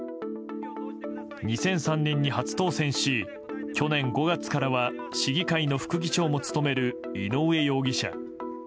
２００３年に初当選し去年５月からは市議会の副議長も務める井上容疑者。